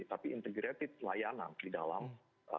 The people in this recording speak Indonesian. tapi integrated layanan di dalam